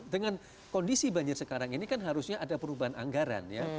dengan kondisi banjir sekarang ini kan harusnya ada perubahan anggaran ya